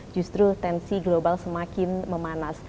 justru tensi global semakin memanas